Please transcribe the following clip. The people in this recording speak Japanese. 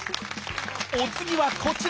お次はこちら！